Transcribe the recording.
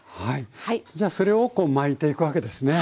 じゃあそれをこう巻いていくわけですね。